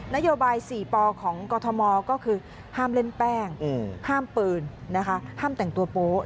นโยบาย๔ปของกรทมก็คือห้ามเล่นแป้งห้ามปืนนะคะห้ามแต่งตัวโป๊ะ